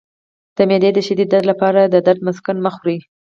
د معدې د شدید درد لپاره د درد مسکن مه خورئ